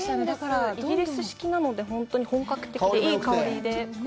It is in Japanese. イギリス式なので、本当に本格的で、香りもよくて。